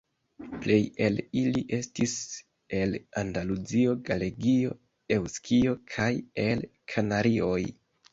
Plej el ili estis el Andaluzio, Galegio, Eŭskio kaj el Kanarioj.